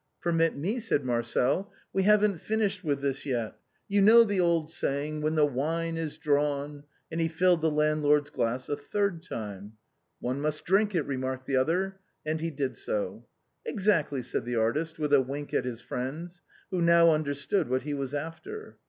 " Permit me," said Marcel ;" we haven't finished with this yet. You know the old saying, ' when the wine is drawn '" and he filled the landlord's glass a third time. " One must drink it," remarked the other, and he did so. " Exactly," said the artist, with a wink at his friends, who now understood what he was after.